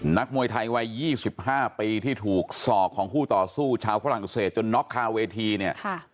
นักมวยไทยวัย๒๕ปีที่ถูกศอกของคู่ต่อสู้ชาวฝรั่งเศสจนน็อกคาเวทีเนี่ย